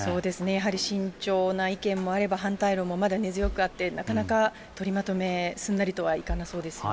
やはり慎重な意見もあれば、反対論もまだ根強くあって、なかなか取りまとめ、すんなりとはいかなそうですね。